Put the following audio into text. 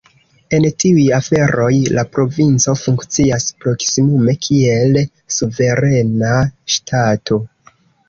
En tiuj aferoj la provinco funkcias proksimume kiel suverena ŝtato.